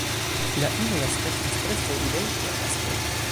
La inoj aspektas preskaŭ identaj al maskloj.